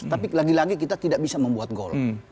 tapi lagi lagi kita tidak bisa membuat gol